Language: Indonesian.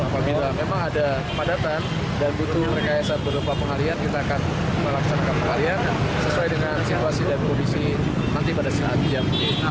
dan jika perlu rekayasa berupa pengalian kita akan melaksanakan pengalian sesuai dengan situasi dan kondisi nanti pada saat jam